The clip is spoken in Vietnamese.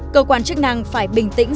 cơ quan chức năng phải bình tĩnh